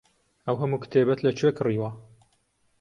ئەو هەموو کتێبەت لەکوێ کڕیوە؟